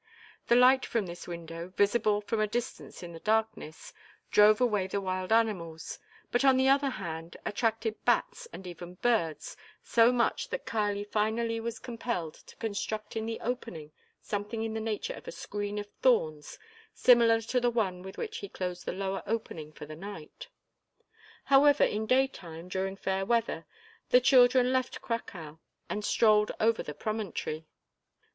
The light from this window, visible from a distance in the darkness, drove away the wild animals, but on the other hand attracted bats and even birds so much that Kali finally was compelled to construct in the opening something in the nature of a screen of thorns similar to the one with which he closed the lower opening for the night. However, in daytime, during fair weather, the children left "Cracow" and strolled over the promontory.